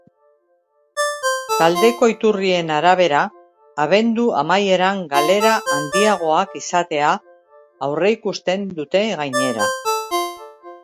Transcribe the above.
Taldeko iturrien arabera, abendu amaieran galera handiagoak izatea aurreikusten dute, gainera.